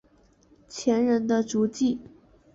前人的足迹